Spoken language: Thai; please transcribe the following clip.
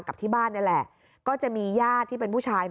กับที่บ้านนี่แหละก็จะมีญาติที่เป็นผู้ชาย